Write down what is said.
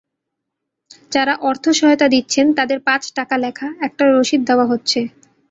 যাঁরা অর্থ সহায়তা দিচ্ছেন তাঁদের পাঁচ টাকা লেখা একটি রসিদ দেওয়া হচ্ছে।